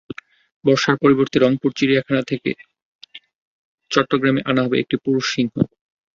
বর্ষার পরিবর্তে রংপুর চিড়িয়াখানা থেকে চট্টগ্রানে আনা হবে একটি পুরুষ সিংহ।